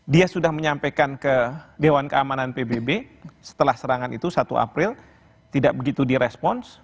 dia sudah menyampaikan ke dewan keamanan pbb setelah serangan itu satu april tidak begitu di respons